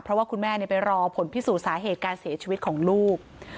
เพราะว่าคุณแม่ไปรอผลพิสูจน์สาเหตุการเสียชีวิตของลูก